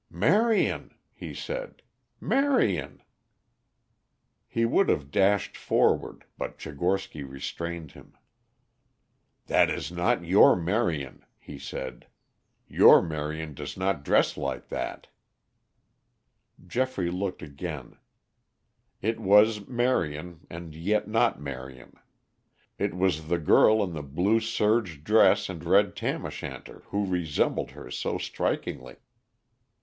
"Marion," he said. "Marion." He would have dashed forward, but Tchigorsky restrained him. "That is not your Marion," he said. "Your Marion does not dress like that." Geoffrey looked again. It was Marion and yet not Marion. It was the girl in the blue serge dress and red tam o' shanter who resembled her so strikingly.